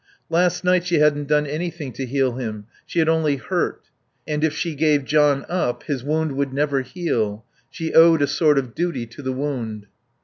Last night she hadn't done anything to heal him; she had only hurt.... And if she gave John up his wound would never heal. She owed a sort of duty to the wound.